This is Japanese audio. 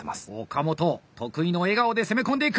岡本得意の笑顔で攻め込んでいく！